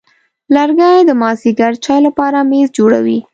لرګی د مازېګر چای لپاره میز جوړوي.